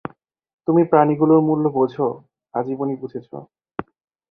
তুমি প্রাণীগুলোর মুল্য বোঝো, আজীবনই বুঝেছো।